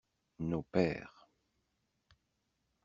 Nos pères.